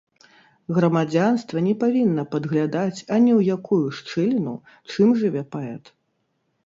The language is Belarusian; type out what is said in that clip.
Грамадзянства не павінна падглядаць ані ў якую шчыліну, чым жыве паэт.